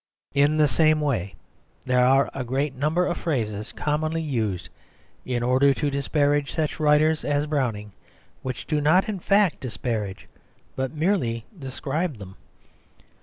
In the same way there are a great number of phrases commonly used in order to disparage such writers as Browning which do not in fact disparage, but merely describe them.